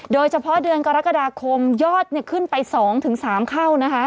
โดยเฉพาะเดือนกรกฎาคมยอดขึ้นไป๒๓เข้านะคะ